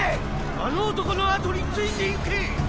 あの男の後についてゆけ！